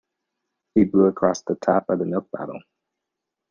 He blew across the top of the milk bottle